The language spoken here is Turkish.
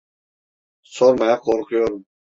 Sormaya korkuyorum.